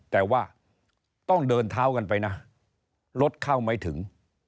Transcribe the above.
แต่ว่าต้องเดินเท้ากันไปนะรถเข้าไม่ถึง